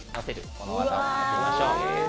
この技やってみましょう。